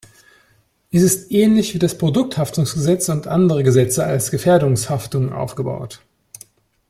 Es ist ähnlich wie das Produkthaftungsgesetz und andere Gesetze als Gefährdungshaftung aufgebaut.